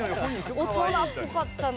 大人っぽかったな。